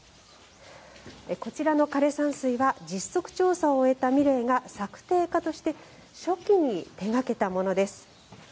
こちらの枯山水は実測調査を終えた三玲が作庭家として初期に手がけたものです。